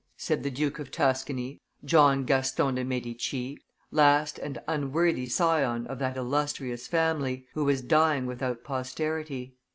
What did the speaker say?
" said the Duke of Tuscany, John Gaston de Medici, last and unworthy scion of that illustrious family, who was dying without posterity.